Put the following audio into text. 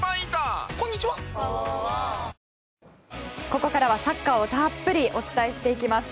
ここからはサッカーをたっぷりお伝えしていきます。